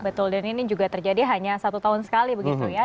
betul dan ini juga terjadi hanya satu tahun sekali begitu ya